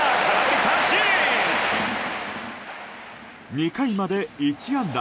２回まで１安打。